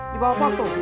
di bawah pot tuh